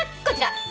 こちら！